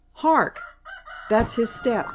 Hark, that's his step."